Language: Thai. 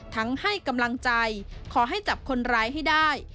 ให้กำลังใจขอให้จับคนร้ายให้ได้